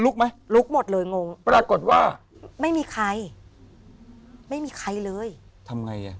ลุกหมดเลยงงปรากฏว่าไม่มีใครไม่มีใครเลยทำไงอ่ะ